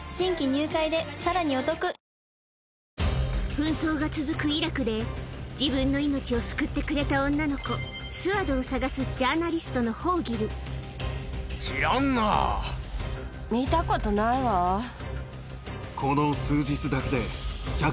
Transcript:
紛争が続くイラクで自分の命を救ってくれた女の子スアドを捜すジャーナリストのホーギルこの数日だけで。